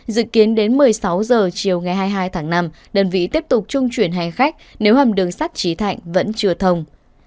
dự kiến đến một mươi sáu h chiều ngày hai mươi hai tháng năm đơn vị tiếp tục trung chuyển hành khách nếu hầm đường sắt trí thạnh vẫn chưa thông